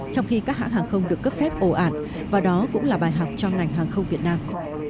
trong khi các hãng hàng không được cấp phép ổ ản và đó cũng là bài học cho ngành hàng không việt nam